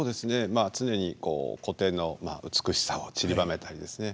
まあ常にこう古典の美しさをちりばめたりですね